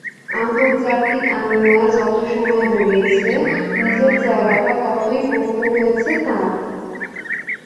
আন্তর্জাতিক আঙিনায় যত সময় গড়িয়েছে, নিজের জায়গাটা ততই পোক্ত হয়েছে তাঁর।